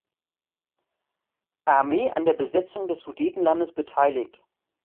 Armee an der Besetzung des Sudetenlandes beteiligt.